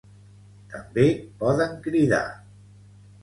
També poden cridar.